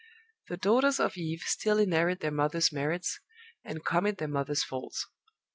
The daughters of Eve still inherit their mother's merits and commit their mother's faults.